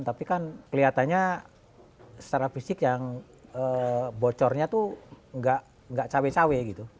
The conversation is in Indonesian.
tapi kan kelihatannya secara fisik yang bocornya tuh nggak cawe cawe gitu